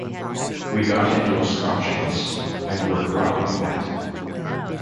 We got into a Scotch mist, and were dropping wet.